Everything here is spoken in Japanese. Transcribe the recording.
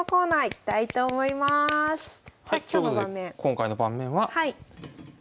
今回の盤面は。